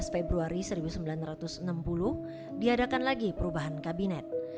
sebelas februari seribu sembilan ratus enam puluh diadakan lagi perubahan kabinet